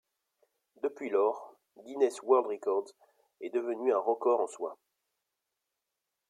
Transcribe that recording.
Depuis lors, Guinness World Records est devenu un record en soi.